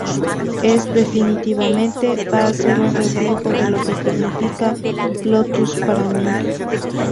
Es, definitivamente, va a ser un reflejo de lo que significa Lotus para mí.